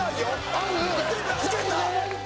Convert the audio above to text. ある！